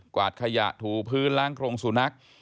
กวาดขยะถูผืนล้างกรงศุนัก